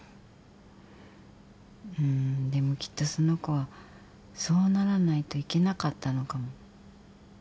うーんでもきっとその子はそうならないといけなかったのかも。